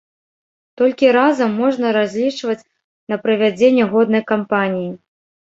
Толькі разам можна разлічваць на правядзенне годнай кампаніі.